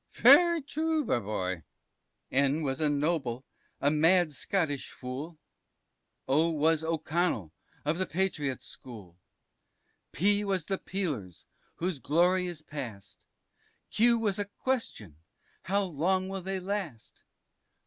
T. Very true, my boy. P. N was a Noble, a mad Scottish fool, O was O'Connell, of the Patriot's school. P was the Peelers, whose glory is past, Q was a Question how long will they last?